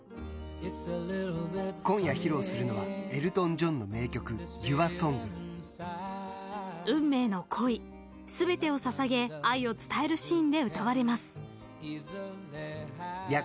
今夜披露するのはエルトン・ジョンの名曲運命の恋全てを捧げ愛を伝えるシーンで歌われます。